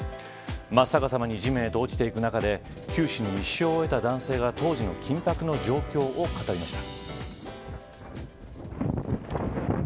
真っ逆さまに地面へと落ちていく中で九死に一生を得た男性が当時の緊迫の状況を語りました。